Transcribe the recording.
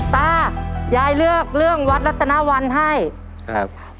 ตายายเลือกเรื่องวัดรัตนวันให้ครับ